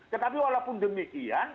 tetapi walaupun demikian